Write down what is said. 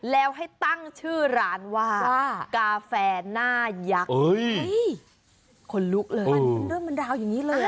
แล้วให้ตั้งชื่อร้านว่ากาแฟหน้ายักษ์คนลุกเลยมันเป็นเรื่องมันราวอย่างนี้เลย